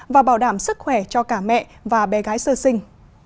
và bảo đảm sức khỏe cho cả mẹ và bé gái sơ sinh